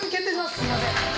すいません。